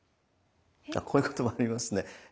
こういうこともありますね。